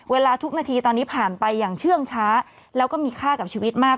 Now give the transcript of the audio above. เวลาทุกนาทีตอนนี้ผ่านไปอย่างเชื่องช้าแล้วก็มีค่ากับชีวิตมาก